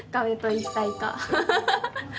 ハハハ。